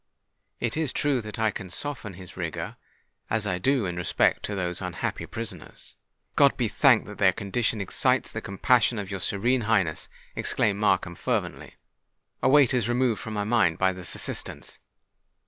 It is true that I can soften his rigour—as I shall do in respect to those unhappy prisoners——" "God be thanked that their condition excites the compassion of your Serene Highness!" exclaimed Markham fervently. "A weight is removed from my mind by this assurance!"